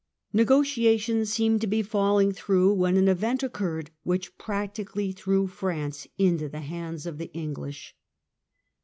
Negotiations seemed to be falling through when an event occurred which practically threw France into the hands of the English.